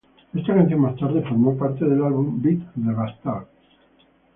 Esta canción más tarde formó parte del álbum Beat the Bastards.